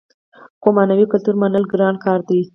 خو معنوي کلتور منل ګران کار دی.